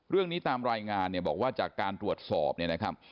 เรื่องนี้ตามรายงานเนี่ยบอกว่าจากการตรวจสอบเนี่ยนะครับ